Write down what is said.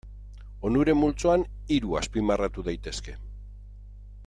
Onuren multzoan hiru azpimarratu daitezke.